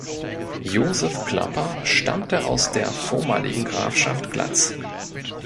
Joseph Klapper stammte aus der vormaligen Grafschaft Glatz.